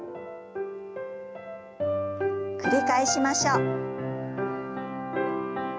繰り返しましょう。